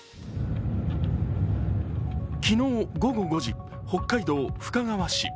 昨日午後５時、北海道深川市。